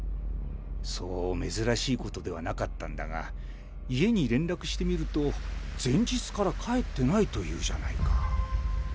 そう珍しいことではなかったんだが家に連絡してみると前日から帰ってないというじゃないか。